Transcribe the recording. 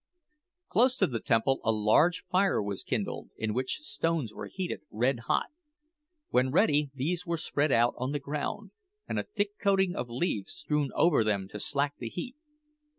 Close to the temple a large fire was kindled, in which stones were heated red hot. When ready these were spread out on the ground, and a thick coating of leaves strewn over them to slack the heat.